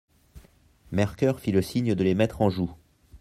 Mercœur fit le signe de les mettre en joue.